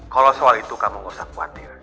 kalo soal itu kamu ga usah khawatir